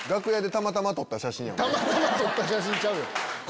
たまたま撮った写真ちゃうよ！